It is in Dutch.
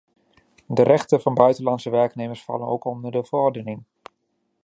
De rechten van buitenlandse werknemers vallen ook onder de verordening.